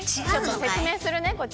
説明するね。